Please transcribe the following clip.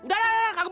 kutuai itu gandum